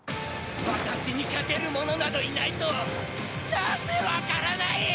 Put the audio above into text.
私に勝てる者などいないとなぜわからない！